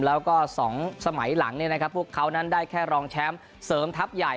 แล้วก็๒สมัยหลังพวกเขานั้นได้แค่รองแชมป์เสริมทัพใหญ่